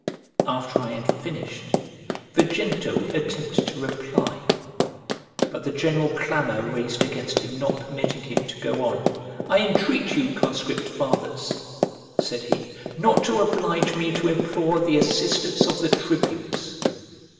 After I had finished, Vejento attempted to reply; but the general clamour raised against him not permitting him to go on, "I entreat you, conscript fathers," said he, "not to oblige me to implore the assistance of the tribunes."